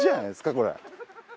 これ。